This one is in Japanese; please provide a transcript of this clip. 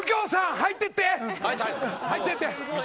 入って入って！